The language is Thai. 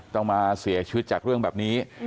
ต้องมาเสียชีวิตจากเรื่องแบบนี้